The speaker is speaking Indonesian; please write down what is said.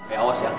eh awas ya